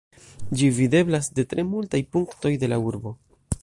Ĝi videblas de tre multaj punktoj de la urbo.